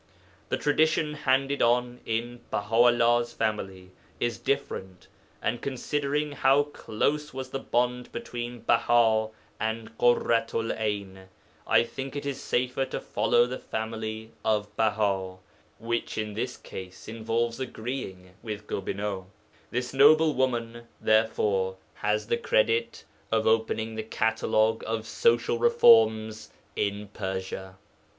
The tradition handed on in Baha 'ullah's family is different, and considering how close was the bond between Bāhāa and Ḳurratu'l 'Ayn, I think it safer to follow the family of Bāhā, which in this case involves agreeing with Gobineau. This noble woman, therefore, has the credit of opening the catalogue of social reforms in Persia.